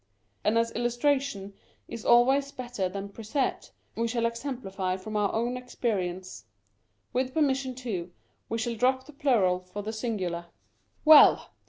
And as illustration is always better than precept, we shall exemplify from our own experience. With permission, too, we shall drop the plural for the singular. Well